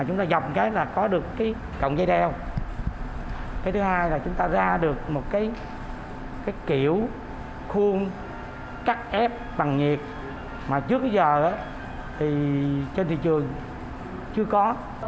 chúng ta ra được một kiểu khuôn cắt ép bằng nhiệt mà trước giờ trên thị trường chưa có